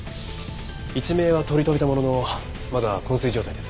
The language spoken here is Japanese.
一命は取り留めたもののまだ昏睡状態です。